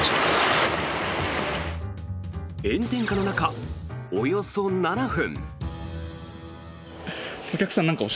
炎天下の中、およそ７分。